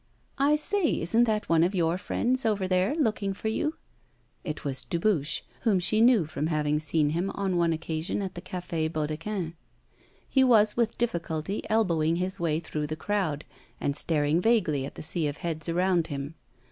'I say, isn't that one of your friends over there, looking for you?' It was Dubuche, whom she knew from having seen him on one occasion at the Café Baudequin. He was, with difficulty, elbowing his way through the crowd, and staring vaguely at the sea of heads around him.